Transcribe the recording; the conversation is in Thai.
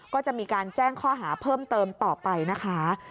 ก็จะมีการแจ้งข้อหาเพิ่มเติมต่อไปนะคะ